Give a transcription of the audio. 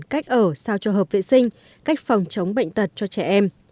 cách ở sao cho hợp vệ sinh cách phòng chống bệnh tật cho trẻ em